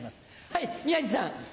はい宮治さん。